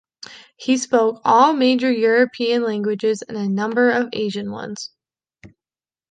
He spoke all major European languages and a number of Asian ones.